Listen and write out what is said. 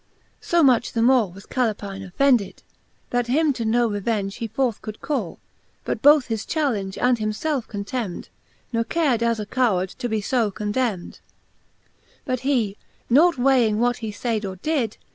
So much the more was Calepine offended, That him to no revenge he forth could call, But both his challenge and him felfe contemned, Ne cared as a coward (o to be condemned. XXXVII. But he nought weighing what he layd or did.